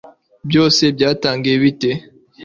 byose byatangiye bite